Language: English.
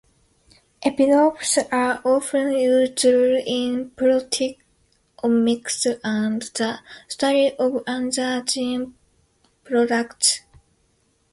Epitopes are often used in proteomics and the study of other gene products.